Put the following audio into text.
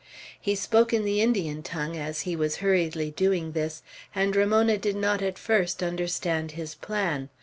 He spoke in the Indian tongue as he was hurriedly doing this, and Ramona did not at first understand his plan.